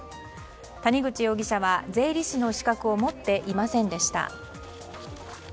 谷口容疑者は税理士の資格を持っていませんでした。